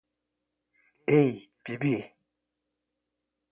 ei, bibi!